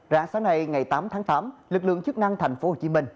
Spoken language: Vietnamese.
ráng sáng nay ngày tám tháng tám lực lượng chức năng thành phố hồ chí minh